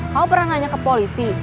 kamu pernah nanya ke polisi